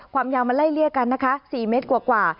ความยาวมันไล่เลี่ยกันนะคะ๔เมตรกว่า